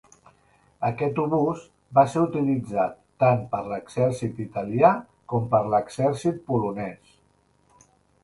Aquest obús va ser utilitzat tant per l'exèrcit italià com per l'exèrcit polonès.